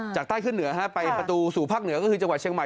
จากใต้ขึ้นเหนือไปประตูสู่ภาคเหนือก็คือจังหวัดเชียงใหม่